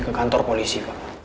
ke kantor polisi pak